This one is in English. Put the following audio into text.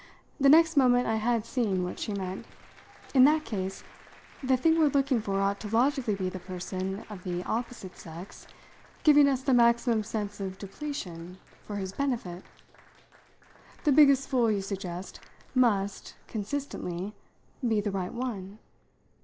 The next moment I had seen what she meant. "In that case the thing we're looking for ought logically to be the person, of the opposite sex, giving us the maximum sense of depletion for his benefit? The biggest fool, you suggest, must, consistently, be the right one?